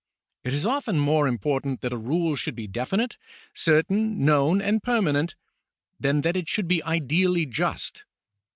It is often more important that a rule should be definite, certain, known, and permanent, than that it should be ideally just.